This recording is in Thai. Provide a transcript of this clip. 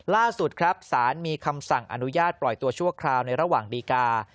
ล่าสุดครับสารมีคำสั่งอนุญาตปล่อยตัวชั่วคราวในระหว่างดีกา